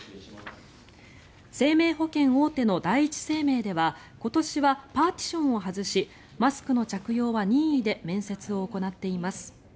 生命保険大手の第一生命では今年はパーティションを外しマスクの着用は任意で面接を行っています。